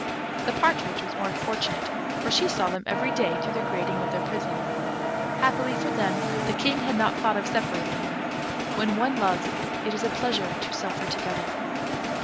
The partridge was more fortunate, for she saw them every day through the grating of their prison: happily for them, the King had not thought of separating them. When one loves, it is a pleasure to suffer together.